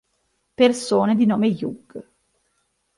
Persone di nome Hugh